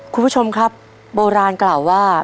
คุณผู้ชมครับโบราณกล่าวว่า